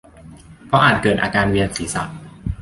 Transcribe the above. เพราะอาจเกิดอาการเวียนศีรษะ